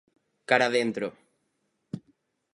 Cara a dentro.